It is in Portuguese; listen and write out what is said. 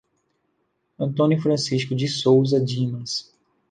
Antônio Francisco de Sousa Dimas